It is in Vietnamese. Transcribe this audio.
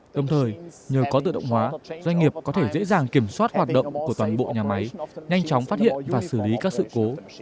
đồng thời nhờ có tự động hóa doanh nghiệp có thể dễ dàng kiểm soát hoạt động của toàn bộ nhà máy nhanh chóng phát hiện và xử lý các sự cố